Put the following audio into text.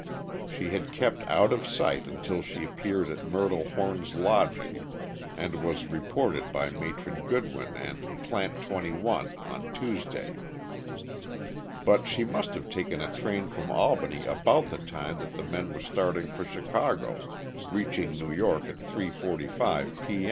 She had kept out of sight until she appeared at Myrtle Horn's lodging and was reported by Matron Goodwin and "Plant 21" on Tuesday. But she must have taken a train from Albany about the time that the men were starting for Chicago, reaching New York at 3:45 p.